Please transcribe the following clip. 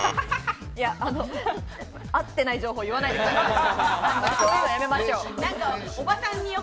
合ってない情報、言わないでブラック。